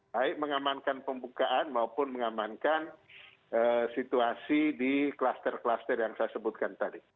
baik mengamankan pembukaan maupun mengamankan situasi di kluster kluster yang saya sebutkan tadi